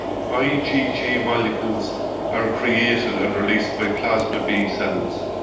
IgG molecules are created and released by plasma B cells.